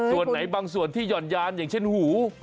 ส่วนไหนบางส่วนที่หย่อนยานอย่างเช่นหู